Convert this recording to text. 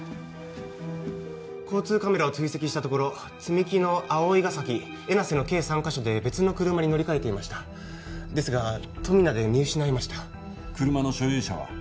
交通カメラを追跡したところ津三木野葵ヶ崎江名瀬の計３カ所で別の車に乗り換えていましたですが富名で見失いました車の所有者は？